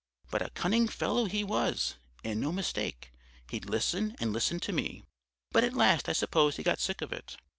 "But a cunning fellow he was, and no mistake. He'd listen and listen to me, but at last I suppose he got sick of it.